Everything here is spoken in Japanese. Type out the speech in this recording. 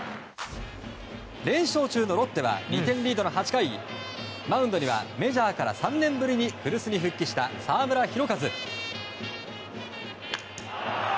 連勝中のロッテは２点リードの８回マウンドにはメジャーから３年ぶりに古巣に復帰した澤村拓一。